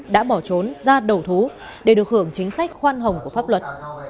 đã bỏ trốn ra đầu thú để được hưởng chính sách khoan hồng của pháp luật